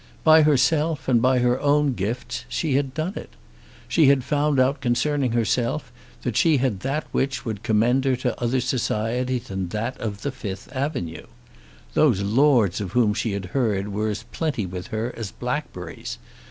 By herself and by her own gifts she had done it. She had found out concerning herself that she had that which would commend her to other society than that of the Fifth Avenue. Those lords of whom she had heard were as plenty with her as blackberries.